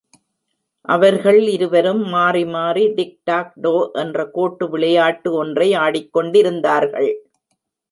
அவர்கள் இருவரும் மாறி, மாறி டிக் டாக் டோ என்ற கோட்டு விளையாட்டு ஒன்றை ஆடிக் கொண்டிருந்தார்கள்.